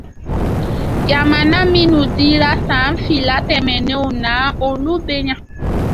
Jamana minnu dira san fila tɛmɛnenw na, olu bɛ yan